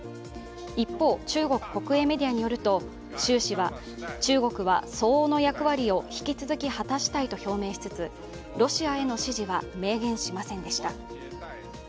一方、中国国営メディアによると習氏は中国は相応の役割を引き続き果たしたいと表明しつつ、ロシアへの支持は明言しませんでした。